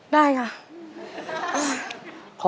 ได้ค่ะ